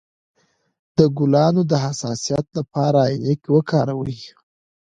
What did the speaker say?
د ګلانو د حساسیت لپاره عینکې وکاروئ